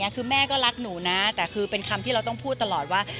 คือแม่ก็รักหนูนะแต่คือเป็นคำที่เราต้องพูดตลอดว่า